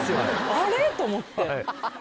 「あれ？」と思って。